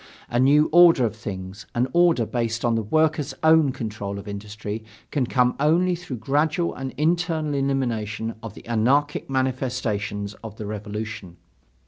A new order of things, an order based on the workers' own control of industry, can come only through gradual and internal elimination of the anarchic manifestations of the revolution.